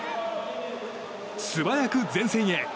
素早く前線へ。